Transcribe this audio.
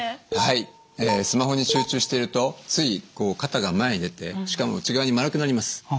はいスマホに集中しているとつい肩が前に出てしかも内側に丸くなります。